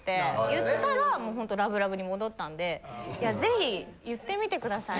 言ったらもうほんとラブラブに戻ったんでぜひ言ってみてください。